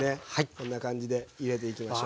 こんな感じで入れていきましょう。